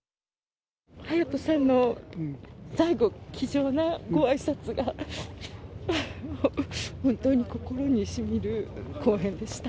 隼人さんの最後、気丈なごあいさつが、本当に心にしみる公演でした。